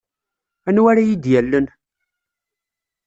Anwa ara yi-d-yallen?